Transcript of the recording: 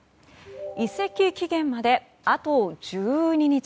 移籍期限まで、あと１２日。